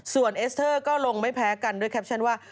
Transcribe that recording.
ส่วนเอสเตอร์ก็ลงไม่แพ้กันด้วยแคปชั่นว่า